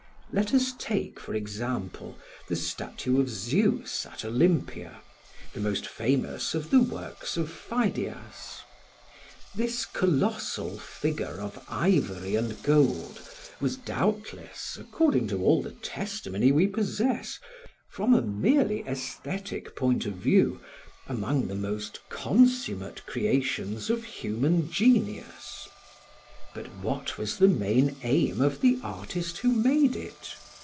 Let us take, for example, the statue of Zeus at Olympia, the most famous of the works of Pheidias. This colossal figure of ivory and gold was doubtless, according to all the testimony we possess, from a merely aesthetic point of view, among the most consummate creations of human genius. But what was the main aim of the artist who made it?